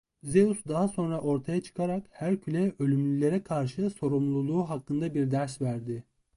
Zeus daha sonra ortaya çıkarak Herkül'e ölümlülere karşı sorumluluğu hakkında bir ders verdi.